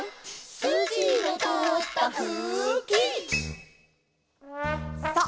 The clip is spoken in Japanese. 「すじのとおったふき」さあ